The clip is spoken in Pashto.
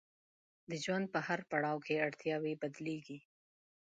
د ژوند په هر پړاو کې اړتیاوې بدلیږي.